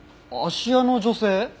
芦屋の女性？